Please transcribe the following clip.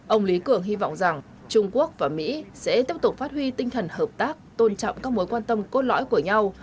ông lý cường hy vọng rằng trung quốc và mỹ sẽ tiếp tục phát huy tinh thần hợp tác tôn trọng các mối quan tâm cốt lõi của nhau